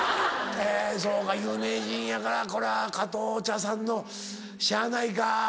そうか有名人やからこれは加藤茶さんのしゃあないか。